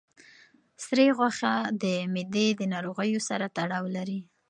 سرې غوښه د معدې د ناروغیو سره تړاو لري.